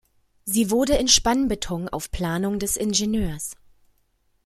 Sie wurde in Spannbeton auf Planung des Ing.